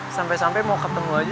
sampai sampai mau ketemu aja